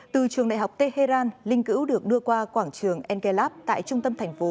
từ trường đại học tehran linh cữu được đưa qua quảng trường engelab tại trung tâm thành phố